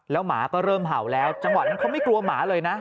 หมาก็เริ่มเห่าแล้วจังหวะนั้นเขาไม่กลัวหมาเลยนะ